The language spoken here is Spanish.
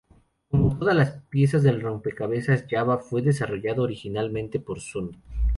Como todas las piezas del rompecabezas Java, fue desarrollado originalmente por Sun.